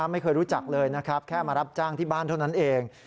ไม่เคยรู้จักเลยนะครับแค่มารับจ้างที่บ้านเท่านั้นเอง